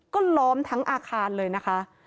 ก็ล้อมทั้งอาคารเลยนะคะ